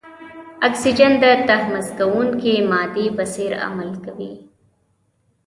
اکسیجن د تحمض کوونکې مادې په څېر عمل کوي.